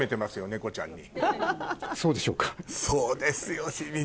猫ちゃんに。